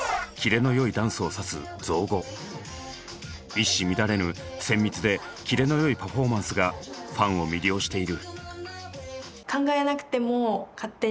一糸乱れぬ精密でキレの良いパフォーマンスがファンを魅了している。